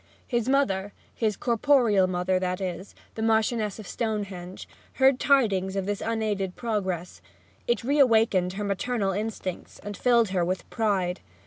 His mother his corporeal mother, that is, the Marchioness of Stonehenge heard tidings of this unaided progress; it reawakened her maternal instincts, and filled her with pride.